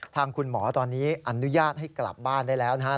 ทางคุณหมอตอนนี้อนุญาตให้กลับบ้านได้แล้วนะครับ